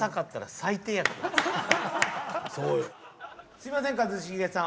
すいません一茂さん